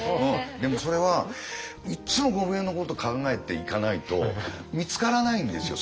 でもそれはいっつもゴムヘビのこと考えていかないと見つからないんですよ